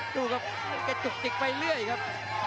ตู้กับสะดุงให้หลายเรื่อยครับ